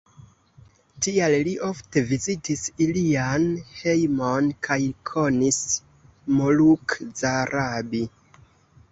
Tial li ofte vizitis ilian hejmon kaj konis Moluk Zarabi.